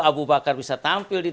abu bakar bisa tampil di